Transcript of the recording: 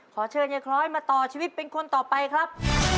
ขอเชิญยายคล้อยมาต่อชีวิตเป็นคนต่อไปครับ